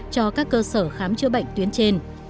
cho các cơ sở khám chữa bệnh tuyến trên